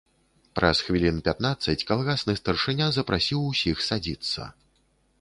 Праз хвілін пятнаццаць калгасны старшыня запрасіў усіх садзіцца.